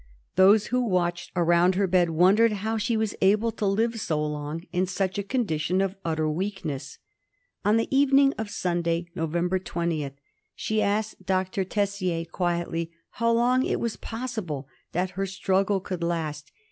Those who watched around her bed wondered how she was able to live so long in such a condition of utter weakness. On the evening of Sunday, November 20th, she asked Dr. Tesier quietly how long it was possible that her struggle could last.